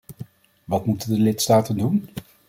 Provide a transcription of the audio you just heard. Wat moeten de lidstaten doen?